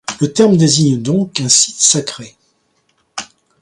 Le terme désigne donc un site sacré.